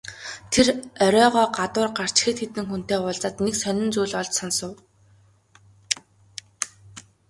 Тэр оройгоо гадуур гарч хэд хэдэн хүнтэй уулзаад нэг сонин зүйл олж сонсов.